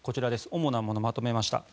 主なものまとめました。